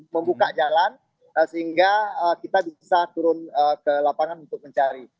membuka jalan sehingga kita bisa turun ke lapangan untuk mencari